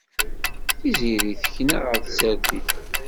Tiziri tekna ɣer tsertit.